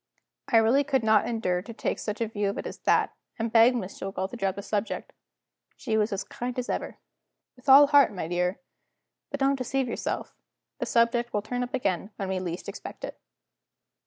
I really could not endure to take such a view of it as that, and begged Miss Jillgall to drop the subject. She was as kind as ever. "With all my heart, dear. But don't deceive yourself the subject will turn up again when we least expect it."